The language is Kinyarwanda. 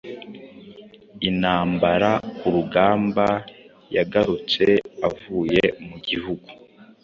Intambara-kurugamba yagarutse avuye mu gihuru